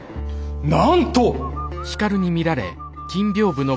なんと！